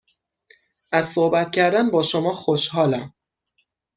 از صحبت کردن با شما خوشحالم.